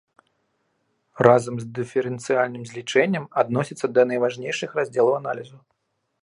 Разам з дыферэнцыяльным злічэннем адносіцца да найважнейшых раздзелаў аналізу.